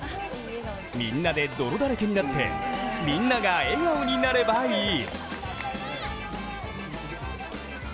みんなで泥だらけになってみんなが笑顔になればいい。